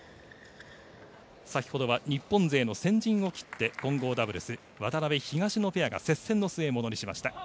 先ほどは日本勢の先陣を切って混合ダブルス渡辺・東野ペアが接戦の末、ものにしました。